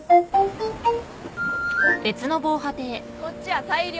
こっちは大漁。